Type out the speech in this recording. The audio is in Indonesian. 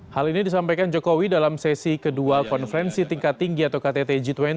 hal ini disampaikan jokowi dalam sesi kedua konferensi tingkat tinggi atau ktt g dua puluh